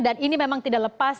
dan ini memang tidak lepas